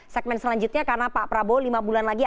segmen selanjutnya karena pak prabowo lima bulan lagi